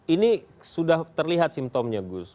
ini sudah terlihat simptomnya gus